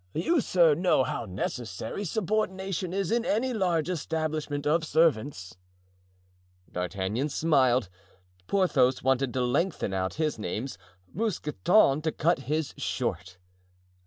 You, sir, know how necessary subordination is in any large establishment of servants." D'Artagnan smiled; Porthos wanted to lengthen out his names, Mousqueton to cut his short.